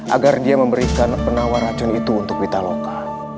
agar dia memberikan penawar racun itu untuk pitaloka